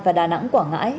và đà nẵng quảng ngãi